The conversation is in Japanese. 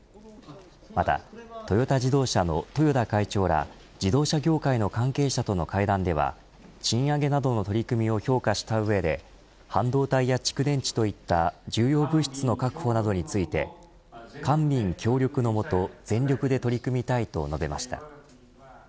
またトヨタ自動車の豊田会長ら自動車業界の関係者との会談では賃上げなどの取り組みを評価した上で半導体や蓄電池といった重要物資の確保などについて官民協力のもと全力で取り組みたいと述べました。